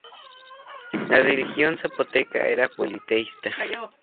La religión zapoteca era politeísta.